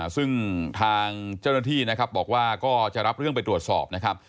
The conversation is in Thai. ซึ่งทางเจ้าหน้าที่นะครับบอกว่าก็จะรับเรื่องไปตรวจสอบนะครับ